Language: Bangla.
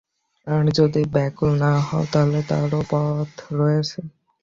আর যদি ব্যাকুল না হও তাহলে তারও পথ রয়েছে।